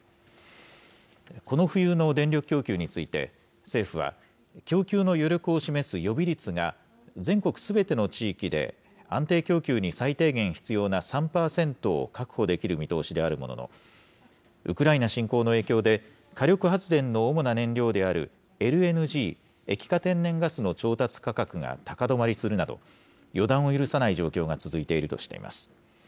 この冬の電力供給について、政府は、供給の余力を示す予備率が全国すべての地域で安定供給に最低限必要な３％を確保できる見通しであるものの、ウクライナ侵攻の影響で、火力発電の主な燃料であるＬＮＧ・液化天然ガスの調達価格が高止まりするなど、予断を許さない状況が続いているとしています。